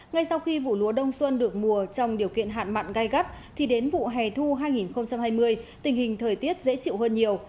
ngay sau khi vụ lúa đông xuân được mùa trong điều kiện hạn mặn gai gắt thì đến vụ hè thu hai nghìn hai mươi tình hình thời tiết dễ chịu hơn nhiều